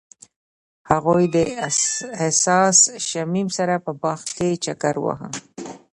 هغوی د حساس شمیم سره په باغ کې چکر وواهه.